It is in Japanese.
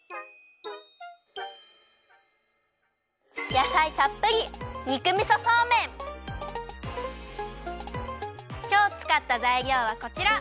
やさいたっぷりきょうつかったざいりょうはこちら！